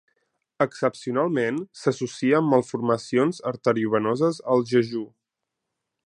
Excepcionalment, s'associa amb malformacions arteriovenoses al jejú.